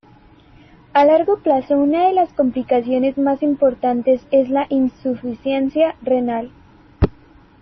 A largo plazo una de las complicaciones más importantes es la insuficiencia renal.